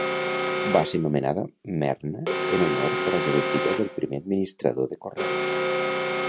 Va ser nomenada Merna en honor de la jove filla del primer administrador de correus.